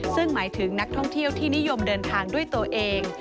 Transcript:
ซึ่งหมายถึงนักท่องเที่ยวที่นิยมเดินทางด้วยตัวเอง